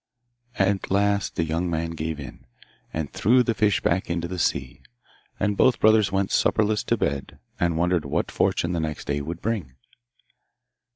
At last the young man gave in, and threw the fish back into the sea; and both brothers went supperless to bed, and wondered what fortune the next day would bring.